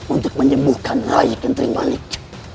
untuk menyembuhkan raih kentering manik